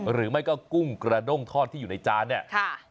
หรือไม่ก็กุ้งกระด้งทอดที่อยู่ในจานเนี่ย